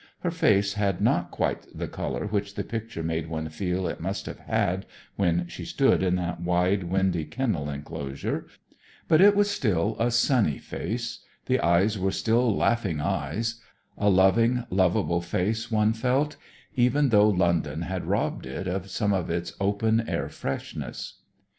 Her face had not quite the colour which the picture made one feel it must have had when she stood in that wide, windy, kennel enclosure; but it was still a sunny face; the eyes were still laughing eyes; a loving, lovable face, one felt, even though London had robbed it of some of its open air freshness.